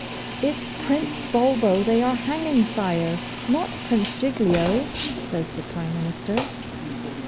'It's Prince Bulbo they are hanging, Sire, not Prince Giglio,' says the Prime Minister.